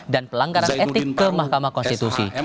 dan pelanggaran etik ke mahkamah konstitusi